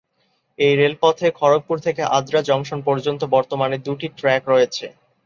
এই রেলপথে খড়গপুর থেকে আদ্রা জংশন পর্যন্ত বর্তমানে দুটি ট্র্যাক রয়েছে।